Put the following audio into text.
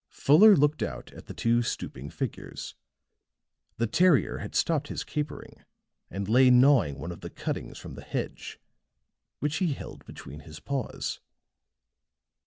Fuller looked out at the two stooping figures; the terrier had stopped his capering and lay gnawing one of the cuttings from the hedge, which he held between his paws.